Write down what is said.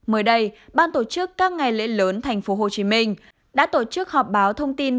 mới đây ban tổ chức các ngày lễ lớn tp hcm đã tổ chức họp báo thông tin